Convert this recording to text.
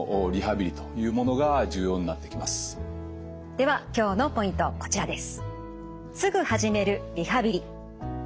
では今日のポイントこちらです。